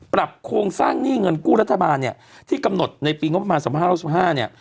ปรับโครงสร้างหนี้เงินกู้รัฐบาลที่กำหนดในปีประมาณ๒๕๖๕